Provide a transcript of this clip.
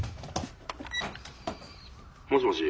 ☎もしもし。